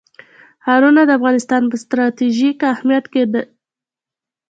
ښارونه د افغانستان په ستراتیژیک اهمیت کې دي.